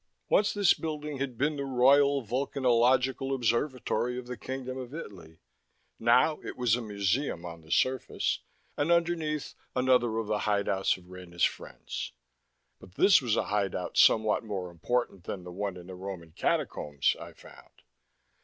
Once this building had been the Royal Vulcanological Observatory of the Kingdom of Italy. Now it was a museum on the surface, and underneath another of the hideouts of Rena's "friends." But this was a hideout somewhat more important than the one in the Roman Catacombs, I found.